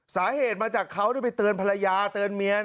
สาเหตุมาจากเขาได้ไปเตือนภรรยาเตือนเมีย